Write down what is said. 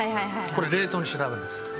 これ冷凍にして食べるんです。